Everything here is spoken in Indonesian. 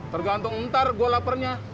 tergantung ntar gue laparnya